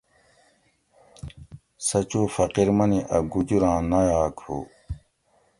سہ چو فقیر منی اۤ گوجوراں نایٔک ہو